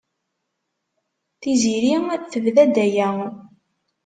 Tiziri tebda-d aya.